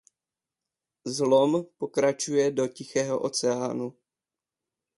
Zlom pokračuje do Tichého oceánu.